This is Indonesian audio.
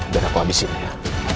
biar aku habisin ya